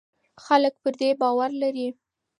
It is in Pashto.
خلک پر دې باور لري.